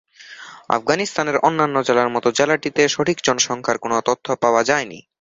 আফগানিস্তানের অন্যান্য জেলার মত জেলাটিতে সঠিক জনসংখ্যার কোন তথ্য পাওয়া যায়নি।